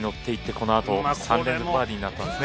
このあと３連続バーディーになったんですね。